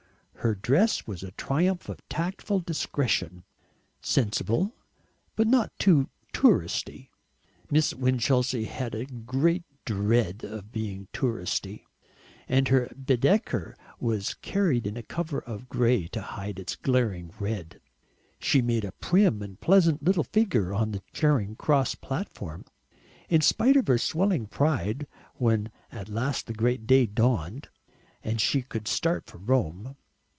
Her dress was a triumph of tactful discretion, sensible, but not too "touristy" Miss Winchelsea, had a great dread of being "touristy" and her Baedeker was carried in a cover of grey to hide its glaring red. She made a prim and pleasant little figure on the Charing Cross platform, in spite of her swelling pride, when at last the great day dawned, and she could start for Rome.